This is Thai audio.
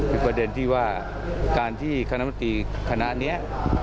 เป็นประเด็นที่ว่าการที่คณะมนตรีคณะนี้